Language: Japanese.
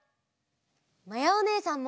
まやおねえさんも。